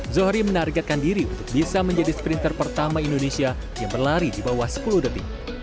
zohri menargetkan diri untuk bisa menjadi sprinter pertama indonesia yang berlari di bawah sepuluh detik